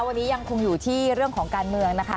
วันนี้ยังคงอยู่ที่เรื่องของการเมืองนะคะ